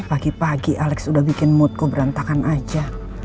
pagi pagi alex udah bikin moodku berantakan aja